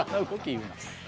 言うな。